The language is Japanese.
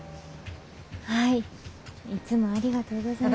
はいいつもありがとうございます。